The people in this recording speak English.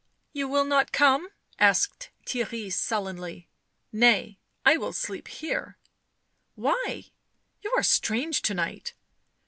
"You will not come?" asked Theirry sullenly. " Kay. I will sleep here." "Why? You are strange to night."